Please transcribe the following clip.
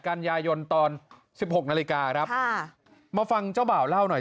กันยายนตอนสิบหกนาฬิกาครับค่ะมาฟังเจ้าบ่าวเล่าหน่อย